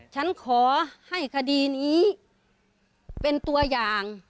ฉันขอให้คดีนี้เป็นตัวอย่าง